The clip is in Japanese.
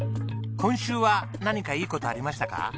今週は何かいい事ありましたか？